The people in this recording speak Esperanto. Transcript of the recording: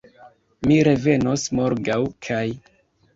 Mi revenos morgaŭ kaj